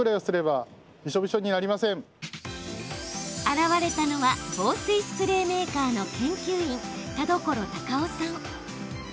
現れたのは防水スプレーメーカーの研究員田所貴雄さん。